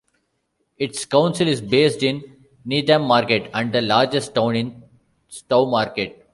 Its council is based in Needham Market, and the largest town is Stowmarket.